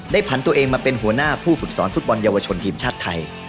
ผันตัวเองมาเป็นหัวหน้าผู้ฝึกสอนฟุตบอลเยาวชนทีมชาติไทย